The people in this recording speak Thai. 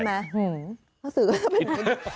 หือกระสือก็เป็นไฟแบบ